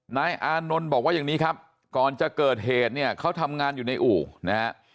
นายอานนท์บอกว่าอย่างนี้ครับก่อนจะเกิดเหตุเนี่ยเขาทำงานอยู่ในอู่นะฮะ